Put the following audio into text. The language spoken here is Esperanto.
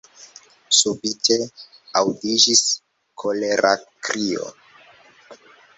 Subite aŭdiĝis kolera krio!